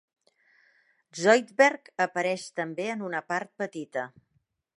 Zoidberg apareix també en una part petita.